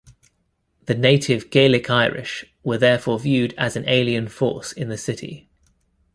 The native Gaelic Irish were therefore viewed as an alien force in the city.